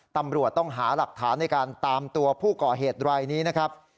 ตำรวจต้องหาหลักฐานในการตามตัวผู้ก่อเหตุรายนี้นะครับ